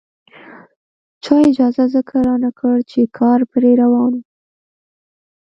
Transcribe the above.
چا اجازه ځکه رانکړه چې کار پرې روان وو.